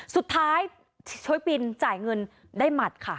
สุดท้ายช่วยบินจ่ายเงินได้หมัดค่ะ